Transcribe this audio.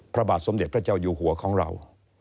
พระบาทสมเด็จพระเจ้าอยู่หัวของเรา